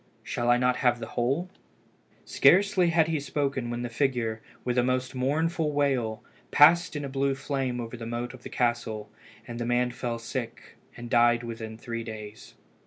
shall I not have the whole?" Scarcely had he spoken when the figure, with a most mournful wail, passed in a blue flame over the moat of the castle, and the man fell sick, and died within three days.